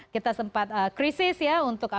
kita sempat krisis ya untuk